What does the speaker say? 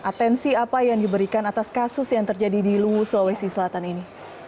atensi apa yang diberikan atas kasus yang terjadi di luwu sulawesi selatan ini